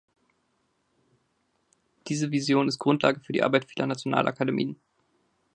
Diese Vision ist Grundlage für die Arbeit vieler Nationalakademien.